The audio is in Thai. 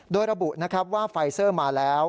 โดยระบุว่าไฟซอร์มาแล้ว